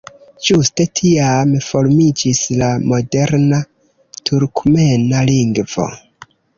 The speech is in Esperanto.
Ĝuste tiam formiĝis la moderna turkmena lingvo.